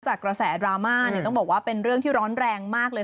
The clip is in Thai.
กระแสดราม่าเนี่ยต้องบอกว่าเป็นเรื่องที่ร้อนแรงมากเลย